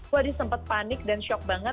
wah dia sempet panik dan shock banget